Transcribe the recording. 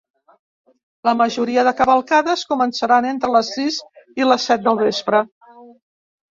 La majoria de cavalcades començaran entre les sis i les set del vespre.